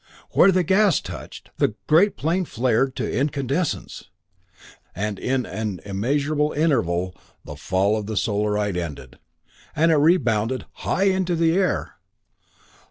Where the gas touched it, the great plane flared to incandescence; and in an immeasurable interval the fall of the Solarite ended, and it rebounded high into the air.